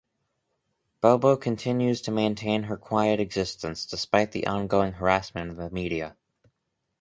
Bobo continues to maintain her quiet existence despite the ongoing harassment of the media.